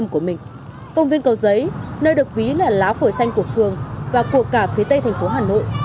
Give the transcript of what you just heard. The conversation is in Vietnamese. công viên cầu giấy nơi được ví là lá phổi xanh của phường và của cả phía tây thành phố hà nội